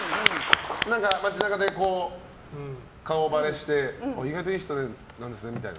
街中で、顔ばれして意外といい人なんですねみたいな？